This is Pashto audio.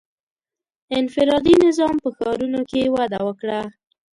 • انفرادي نظام په ښارونو کې وده وکړه.